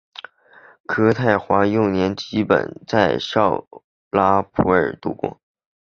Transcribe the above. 柯棣华幼年基本在绍拉普尔度过。